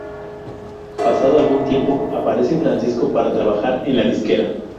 Pasado algún tiempo, aparece Francisco para trabajar en la disquera.